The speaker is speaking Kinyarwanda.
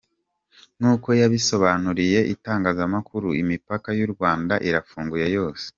Nkuko yabisobanuriye itangazamakuru, imipaka y’u Rwanda irafunguye yose!